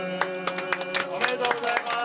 ・おめでとうございます。